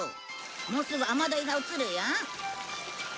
もうすぐ雨どいが映るよ。